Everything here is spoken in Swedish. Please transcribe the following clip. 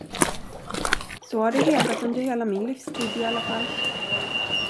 Så har det hetat under hela min livstid, i alla fall.